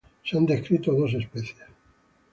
Se han descrito dos especies.